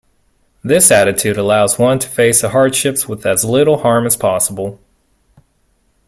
This attitude allows one to face the hardships with as little harm as possible.